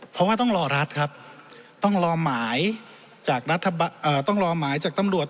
เพราะว่าต้องรอรัฐครับต้องรอหมายจากตำรวจ